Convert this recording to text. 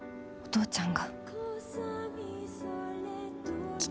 お父ちゃん！